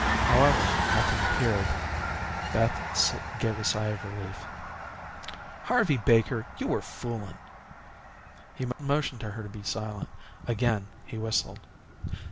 However, nothing appeared. Beth gave a sigh of relief. "Harvey Baker, you were fooling." He motioned to her to be silent. Again, he whistled.